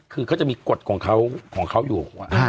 คือเขาจะมีกฎของเขาอยู่